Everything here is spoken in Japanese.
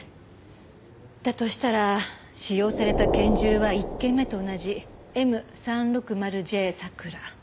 だとしたら使用された拳銃は１件目と同じＭ３６０ＪＳＡＫＵＲＡ。